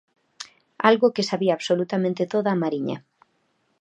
Algo que sabía absolutamente toda a Mariña.